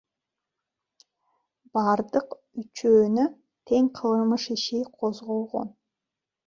Бардык үчөөнө тең кылмыш иши козголгон.